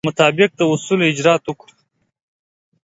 مطابق د اصولو اجرات وکړه.